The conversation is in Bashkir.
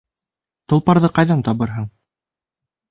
Толпарҙы ҡайҙан табырһың?